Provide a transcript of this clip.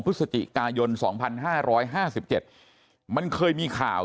พฤศจิกายน๒๕๕๗มันเคยมีข่าว